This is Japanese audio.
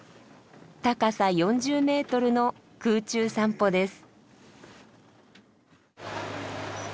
高さ４０メートルの空中散歩です。